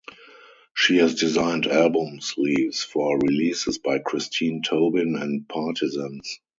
She has designed album sleeves for releases by Christine Tobin and Partisans.